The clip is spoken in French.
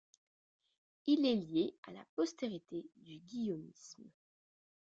Il est lié à la postérité du guillaumisme.